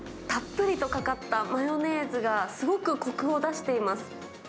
たっぷりとかかったマヨネーズがすごくこくを出しています。